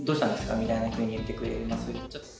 みたいなふうに言ってくれます。